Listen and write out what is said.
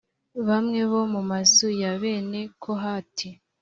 bamwe bo mu mazu ya bene kohati